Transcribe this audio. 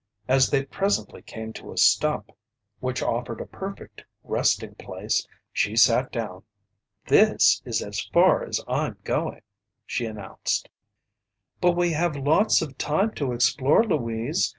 As they presently came to a stump which offered a perfect resting place, she sat down. "This is as far as I'm going," she announced. "But we have lots of time to explore, Louise.